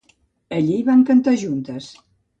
Allí van cantar juntes.